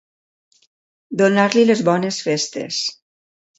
Donar-li les bones festes.